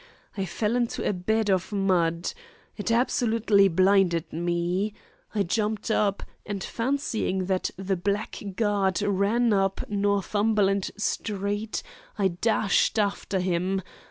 I fell into a bed of mud. It absolutely blinded me. I jumped up, and fancying that the blackguard ran up Northumberland Street I dashed after him.